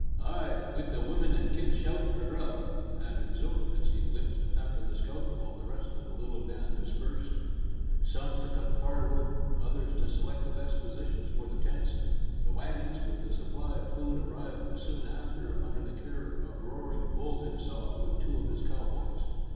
"Ay, wi' the women an' kids shoutin' for grub," added Zook, as he limped after the scout, while the rest of the little band dispersed some to cut firewood, others to select the best positions for the tents. The waggons, with a supply of food, arrived soon after under the care of Roaring Bull himself, with two of his cowboys.